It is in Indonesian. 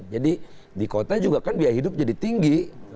jadi di kota juga kan biaya hidup jadi tinggi